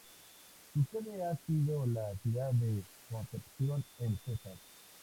Su sede ha sido la ciudad de Concepción en Cesar.